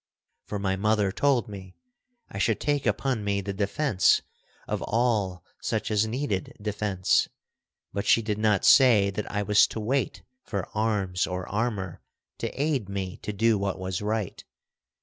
For my mother told me I should take upon me the defence of all such as needed defence, but she did not say that I was to wait for arms or armor to aid me to do what was right.